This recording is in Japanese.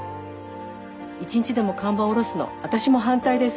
一日でも看板下ろすの私も反対です。